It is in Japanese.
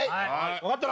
分かったな？